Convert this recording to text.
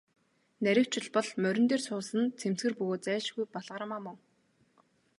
Нарийвчилбал, морин дээр суусан нь цэмцгэр бөгөөд зайлшгүй Балгармаа мөн.